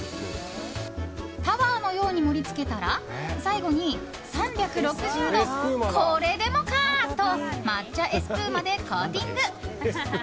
タワーのように盛り付けたら最後に３６０度、これでもかと抹茶エスプーマでコーティング。